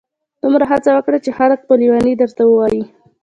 دومره هڅه وکړه چي خلک په لیوني درته ووایي.